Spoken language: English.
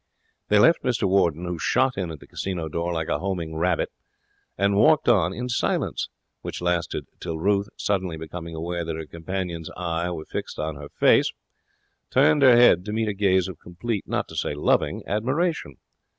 They left Mr Warden, who shot in at the casino door like a homing rabbit, and walked on in silence, which lasted till Ruth, suddenly becoming aware that her companion's eyes were fixed on her face, turned her head, to meet a gaze of complete, not to say loving, admiration.